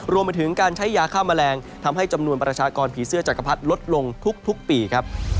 รวมไปถึงการใช้ยาฆ่าแมลงทำให้จำนวนประชากรผีเสื้อจักรพรรดิลดลงทุกปีครับ